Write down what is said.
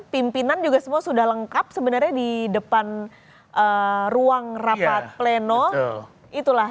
pimpinan juga semua sudah lengkap sebenarnya di depan ruang rapat pleno itulah